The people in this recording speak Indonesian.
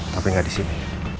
tapi gak disini